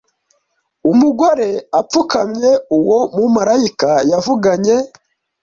umugore apfukamye uwo mumarayika yavuganye